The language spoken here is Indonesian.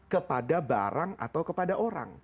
kepada barang atau kepada orang